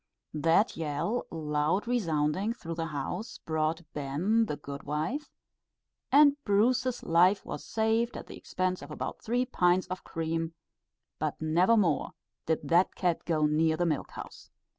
That yell, loud resounding through the house, brought "ben" the good wife, and Bruce's life was saved at the expense of about three pints of cream; but never more did that cat go near the milk house.